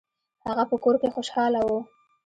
هغه په کور کې خوشحاله و.